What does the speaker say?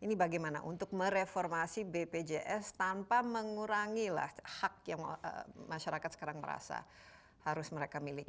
ini bagaimana untuk mereformasi bpjs tanpa mengurangilah hak yang masyarakat sekarang merasa harus mereka miliki